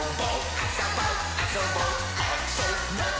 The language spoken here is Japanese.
「あそぼあそぼあ・そ・ぼっ」